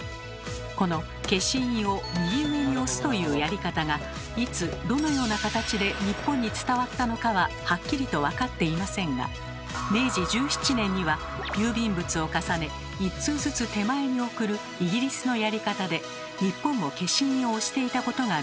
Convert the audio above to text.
この消印を右上に押すというやり方がいつどのような形で日本に伝わったのかははっきりと分かっていませんが明治１７年には郵便物を重ね一通ずつ手前に送るイギリスのやり方で日本も消印を押していたことが見てとれます。